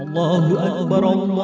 allah dua dua barom